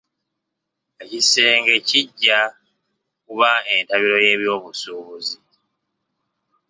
Ekisenge kijja kuba entabiro y'ebyobusuubuzi.